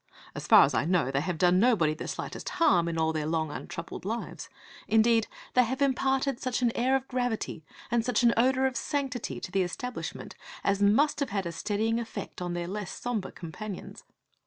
As far as I know they have done nobody the slightest harm in all their long untroubled lives. Indeed, they have imparted such an air of gravity, and such an odour of sanctity, to the establishment as must have had a steadying effect on their less sombre companions.